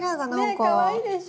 かわいいでしょ。